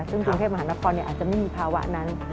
ซึ่งกรุงเทพมหานครอาจจะไม่มีภาวะนั้น